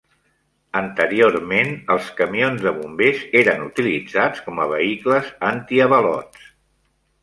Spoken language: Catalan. Anteriorment, els camions de bombers eren utilitzats com a vehicles antiavalots.